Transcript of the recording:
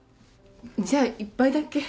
じゃあ一杯だけ。